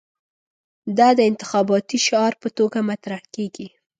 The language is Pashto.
دا د انتخاباتي شعار په توګه مطرح کېږي.